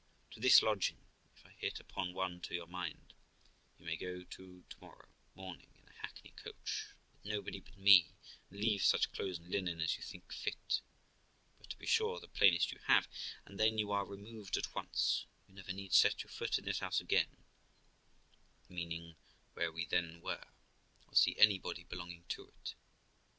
To this lodging (if I hit upon one to your mind) you may go to morrow morning in a hackney coach, with nobody but me, and leave such clothes and linen as you think fit, but, to be sure, the plainest you have; and then you are removed at once; you never need set your foot in this house again (meaning where we then were) , or see anybody belonging to it.